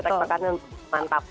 tek tokannya mantap